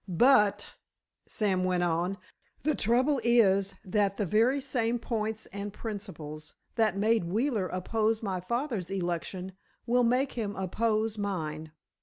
"But," Sam went on, "the trouble is that the very same points and principles that made Wheeler oppose my father's election will make him oppose mine.